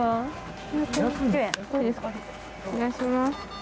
お願いします。